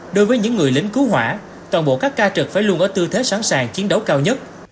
đối với những người lính cứu hỏa toàn bộ các ca trực phải luôn ở tư thế sẵn sàng chiến đấu cao nhất